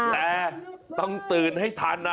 แต่ต้องตื่นให้ทันนะ